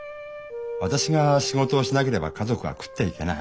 私が仕事をしなければ家族は食っていけない。